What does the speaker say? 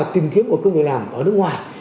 tìm kiếm một công việc làm ở nước ngoài